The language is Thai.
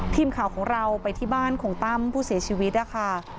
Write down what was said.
ทีมข่าวของเราไปที่บ้านของตั้มผู้เสียชีวิตนะคะ